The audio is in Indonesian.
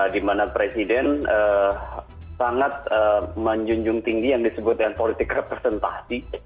dimana presiden sangat menjunjung tinggi yang disebutkan politik representasi